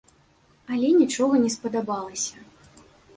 Але нічога не спадабалася.